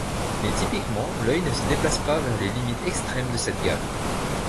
Mais, typiquement, l'œil ne se déplace pas vers les limites extrêmes de cette gamme.